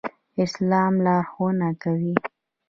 اسلام لارښوونه کوي